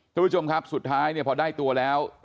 ทุกผู้ชมครับสุดท้ายเนี่ยพอได้ตัวแล้ว